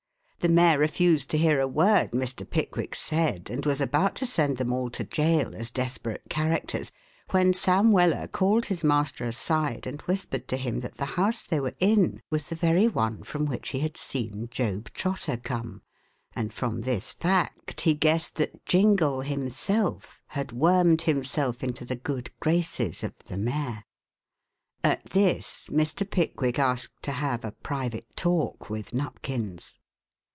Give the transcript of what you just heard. The mayor refused to hear a word Mr. Pickwick said and was about to send them all to jail as desperate characters when Sam Weller called his master aside and whispered to him that the house they were in was the very one from which he had seen Job Trotter come, and from this fact he guessed that Jingle himself had wormed himself into the good graces of the mayor. At this Mr. Pickwick asked to have a private talk with Nupkins.